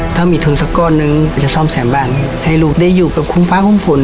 ถ้ามีทุนสักก้อนนึงจะซ่อมแซมบ้านให้ลูกได้อยู่กับคุณฟ้าคุ้มฝน